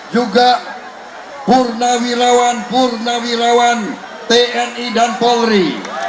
juga purnawilawan purnawilawan tni dan polri